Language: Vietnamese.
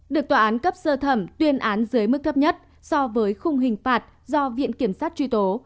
được tòa án cấp sơ thẩm tuyên án dưới mức thấp nhất so với khung hình phạt do viện kiểm sát truy tố